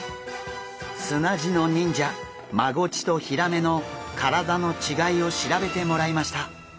砂地の忍者マゴチとヒラメの体の違いを調べてもらいました。